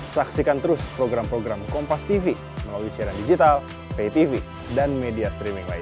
saksikan terus program program kompastv melalui siaran digital ptv dan media streaming lain